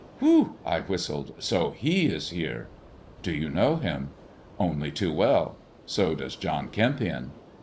" Whew !" I whistled, " so he is here." " Do you know him 1 "" Only too well. So does John Kempion